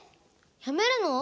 やめるの？